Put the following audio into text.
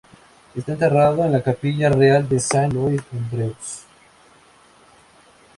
Está enterrado en la Capilla Real de Saint Louis, en Dreux.